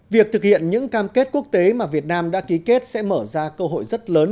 việc thực hiện những cam kết quốc tế mà việt nam đã ký kết sẽ mở ra cơ hội rất lớn